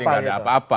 seperti gak ada apa apa